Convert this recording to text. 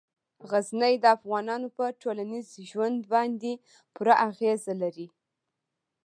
غزني د افغانانو په ټولنیز ژوند باندې پوره اغېز لري.